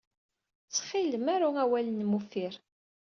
Ttxil-m, aru awal-nnem uffir.